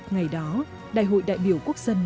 ngày đó đại hội đại biểu quốc dân